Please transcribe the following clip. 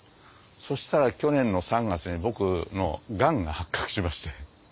そしたら去年の３月に僕のがんが発覚しまして。